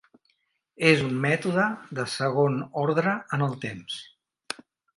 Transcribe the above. És un mètode de segon ordre en el temps.